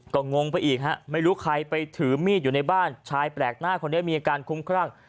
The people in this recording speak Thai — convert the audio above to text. ก็งงไปอีกฮะไม่รู้ใครไปถือมีดอยู่ในบ้านชายแปลกหน้าคนนี้มีอาการคุ้มครั่ง